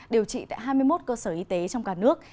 điều trị tại hai mươi một cơ sở y tế trong cả nước